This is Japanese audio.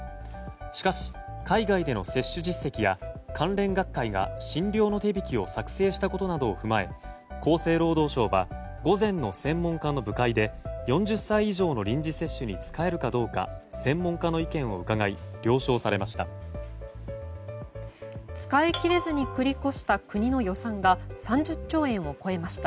しかし、海外での接種実績や関連学会が診療の手引を作成したことなどを踏まえ厚生労働省は午前の専門家の部会で４０歳以上の臨時接種に使えるかどうか専門家の意見を伺い了承されました。